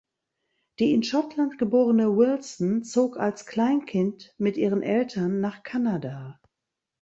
Die in Schottland geborene Wilson zog als Kleinkind mit ihren Eltern nach Kanada.